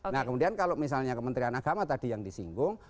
nah kemudian kalau misalnya kementerian agama tadi yang disinggung